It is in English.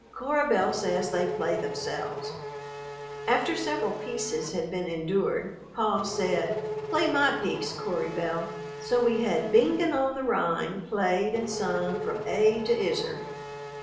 Cora Belle says they play themselves. After several "pieces" had been endured, "Pa" said, "Play my piece, Cory Belle"; so we had "Bingen on the Rhine" played and sung from A to izzard.